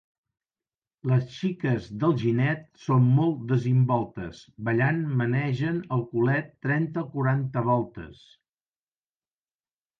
Les xiques d'Alginet són molt desimboltes, ballant menegen el culet trenta o quaranta voltes.